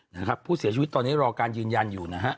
นะครับผู้เสียชีวิตตอนนี้รอการยืนยันอยู่นะฮะ